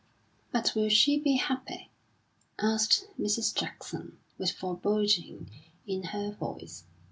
"But will she be happy?" asked Mrs. Jackson, with foreboding in her voice.